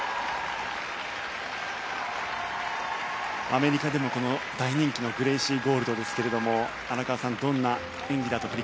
アメリカでもこの大人気のグレイシー・ゴールドですけれども荒川さんどんな演技だと振り返っていますか？